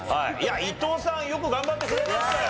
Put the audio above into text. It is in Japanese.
伊藤さんよく頑張ってくれましたよ。